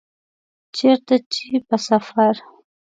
چیرته چي په سفر